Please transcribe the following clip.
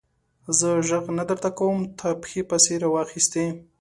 زه ږغ نه درته کوم؛ تا پښې پسې را واخيستې.